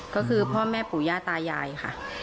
ก็คือพ่อแม่ปู่ย่าตายายค่ะ